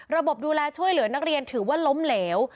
ระบบดูแลช่วยเหลือนักเรียนถือว่าล้มเหลว